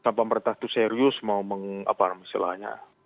sampai pemerintah itu serius mau mengapar masalahnya